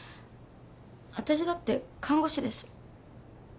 わたしだって看護師です。